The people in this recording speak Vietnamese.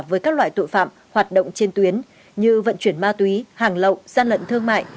với các loại tội phạm hoạt động trên tuyến như vận chuyển ma túy hàng lậu gian lận thương mại